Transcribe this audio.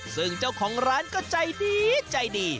ซึ่งเจ้าของร้านก็ใจดีใจดี